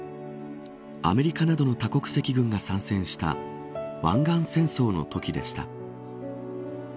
アメリカなどの多国籍軍が参戦した湾岸戦争のときでした。